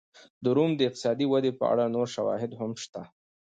د روم د اقتصادي ودې په اړه نور شواهد هم شته.